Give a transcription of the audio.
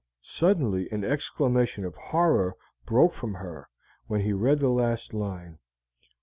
Suddenly an exclamation of horror broke from her when he read the last line.